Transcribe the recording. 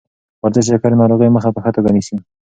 ورزش د شکرې ناروغۍ مخه په ښه توګه نیسي.